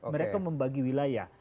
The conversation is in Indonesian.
mereka membagi wilayah